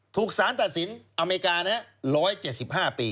ถูกสารตัดสินอเมริกา๑๗๕ปี